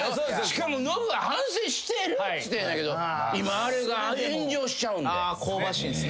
しかもノブは反省してるっつってんだけど今あれが炎上しちゃうんで。